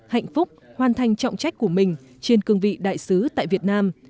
hạnh phúc hoàn thành trọng trách của mình trên cương vị đại sứ tại việt nam